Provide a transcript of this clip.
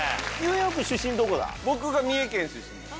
僕が三重県出身です。